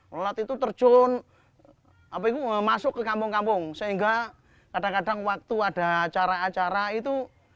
lolat itu terjun masuk ke kampung kampung sehingga kadang kadang waktu ada acara acara itu